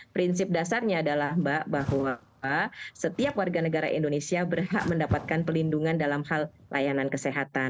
prinsip dasarnya adalah mbak bahwa setiap warga negara indonesia berhak mendapatkan pelindungan dalam hal layanan kesehatan